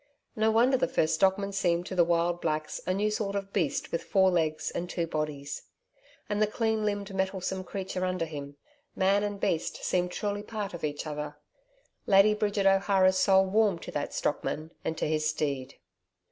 No wonder the first stockman seemed to the wild blacks a new sort of beast with four legs and two bodies. And the clean limbed mettlesome creature under him! Man and beast seemed truly a part of each other. Lady Bridget O'Hara's soul warmed to that stockman and to his steed.